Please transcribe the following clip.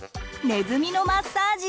「ネズミのマッサージ」。